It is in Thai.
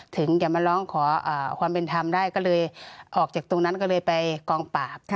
ถึงจะมาร้องขอความเป็นธรรมได้ก็เลยออกจากตรงนั้นก็เลยไปกองปราบ